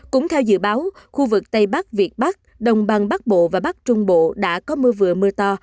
cũng theo dự báo khu vực tây bắc việt bắc đồng bằng bắc bộ và bắc trung bộ đã có mưa vừa mưa to